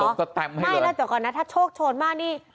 สะสมสะแตมให้เลยไม่แล้วแต่ก่อนนั้นถ้าโชคโชนมากนี่